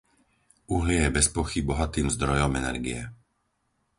Uhlie je bez pochýb bohatým zdrojom energie.